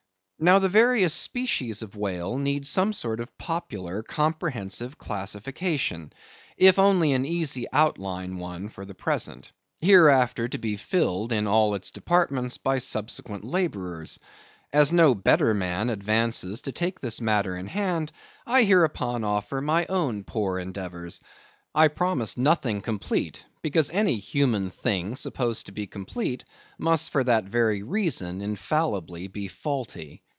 Now the various species of whales need some sort of popular comprehensive classification, if only an easy outline one for the present, hereafter to be filled in all its departments by subsequent laborers. As no better man advances to take this matter in hand, I hereupon offer my own poor endeavors. I promise nothing complete; because any human thing supposed to be complete, must for that very reason infallibly be faulty.